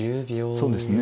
そうですね。